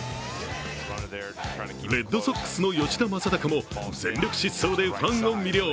レッドソックスの吉田正尚も全力疾走でファンを魅了。